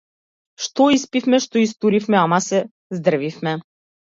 Што испивме, што истуривме, ама се здрвивме.